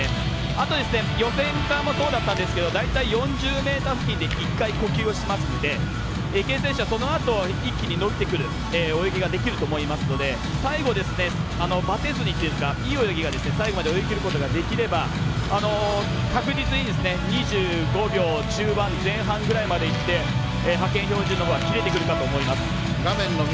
あと予選もそうだったんですけど大体４０ｍ付近で一回、呼吸をしますので池江選手は、そのあと一気に伸びてくる泳ぎができると思いますので最後、ばてずにというかいい泳ぎが最後まで泳ぎきることができれば、確実に２５秒中盤前半ぐらいまでいって派遣標準のほうは切れてくるかと思います。